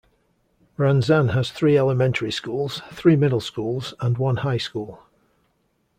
Ranzan has three elementary schools, three middle schools and one high school.